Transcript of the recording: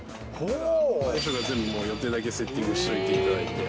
大将がもう全部、予定だけセッティングしておいていただいて。